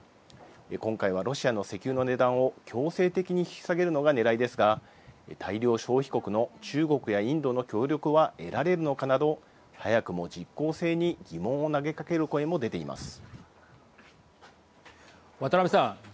今回はロシアの石油の値段を強制的に引き下げるのがねらいですが大量消費国の中国やインドの協力は得られるのかなど早くも実効性に疑問を投げかける声も渡辺さん。